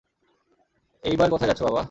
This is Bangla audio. এইবার কোথায় যাচ্ছো, বাবা?